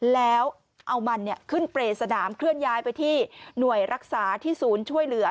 แล้วเอามันขึ้นเปรย์สนามเคลื่อนย้ายไปที่หน่วยรักษาที่ศูนย์ช่วยเหลือ